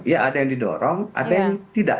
ya ada yang didorong ada yang tidak